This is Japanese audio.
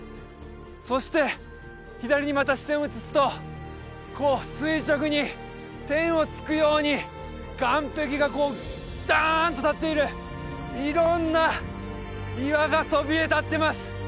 そして左にまた視線を移すとこう垂直に天を突くように岸壁がこうダーンと立っている色んな岩がそびえ立ってます